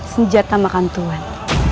senjata makan tuhan